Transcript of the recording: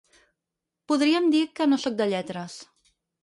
Podríem dir que no soc de lletres.